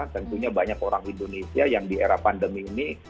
tentunya banyak orang indonesia yang di era pandemi ini